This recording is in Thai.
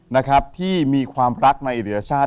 นะครับที่มีความรักในอิริยชาติ